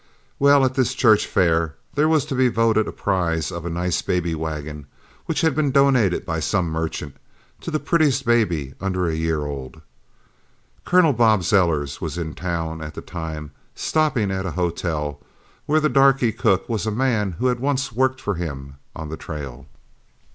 "Well, at this church fair there was to be voted a prize of a nice baby wagon, which had been donated by some merchant, to the prettiest baby under a year old. Colonel Bob Zellers was in town at the time, stopping at a hotel where the darky cook was a man who had once worked for him on the trail.